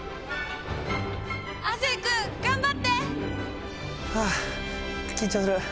亜生君頑張って！はあ緊張する。